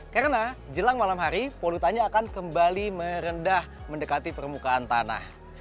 karena jelang malam hari polutannya akan kembali merendah mendekati permukaan tanah